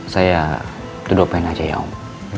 saya terdopain aja ya om